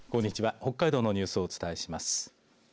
北海道のニュースをお伝えします。